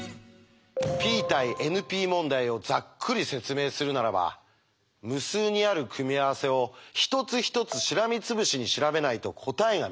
Ｐ対ＮＰ問題をざっくり説明するならば無数にある組み合わせを一つ一つしらみつぶしに調べないと答えが見つからないのか？